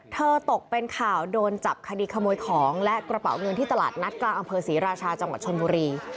ตกเป็นข่าวโดนจับคดีขโมยของและกระเป๋าเงินที่ตลาดนัดกลางอำเภอศรีราชาจังหวัดชนบุรี